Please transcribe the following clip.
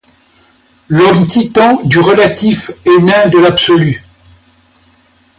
L’homme Titan du relatif et nain de l’absolu